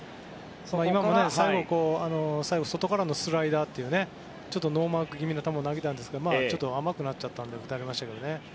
今も最後外からのスライダーというちょっとノーマーク気味の球を投げたんですけど甘くなっちゃったので打たれましたね。